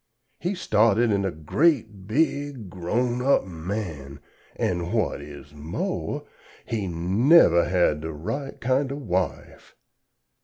He started in a great big grown up man, an' whut is mo', He nevuh had da right kind uf a wife.